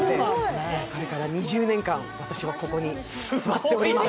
それから２０年間、私はここに座っております。